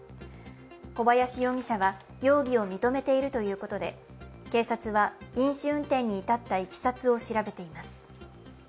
小林容疑者は容疑を認めているということで警察は飲酒運転に至ったいきさつを調べています。